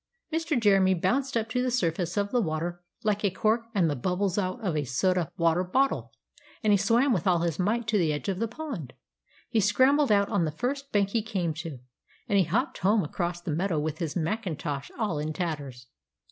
Mr. Jeremy bounced up to the surface of the water, like a cork and the bubbles out of a soda water bottle; and he swam with all his might to the edge of the pond. He scrambled out on the first bank he came to, and he hopped home across the meadow with his macintosh all in tatters.